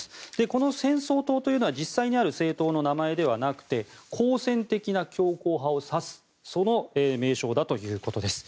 この戦争党というのは実際にある政党の名前ではなくて好戦的な強硬派を指すその名称だということです。